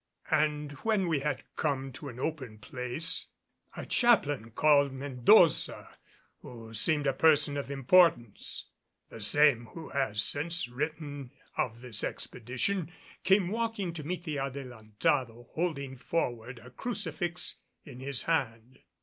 And when we had come to an open place, a chaplain called Mendoza, who seemed a person of importance, the same who has since written of this expedition, came walking to meet the Adelantado, holding forward a crucifix in his hand.